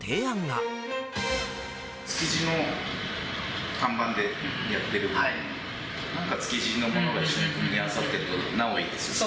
築地の看板でやってるので、なんか築地のものが一緒に組み合わさってると、なおいいですね。